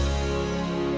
masih gak bisa